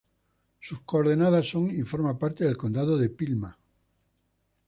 Sus coordenadas son y forma parte del Condado de Pima.